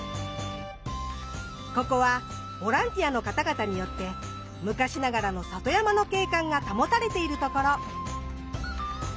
ここはボランティアの方々によって昔ながらの里山の景観が保たれている所。